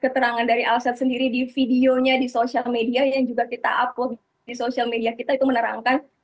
keterangan dari alset sendiri di videonya di sosial media yang juga kita upload di sosial media kita itu menerangkan